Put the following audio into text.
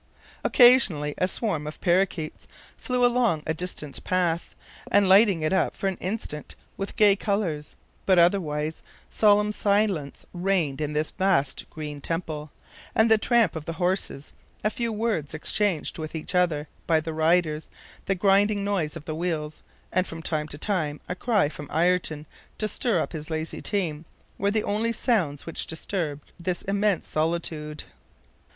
Occasionally a swarm of par roquets flew along a distant path, and lighted it up for an instant with gay colors; but otherwise, solemn silence reigned in this vast green temple, and the tramp of the horses, a few words exchanged with each other by the riders, the grinding noise of the wheels, and from time to time a cry from Ayrton to stir up his lazy team, were the only sounds which disturbed this immense solitude.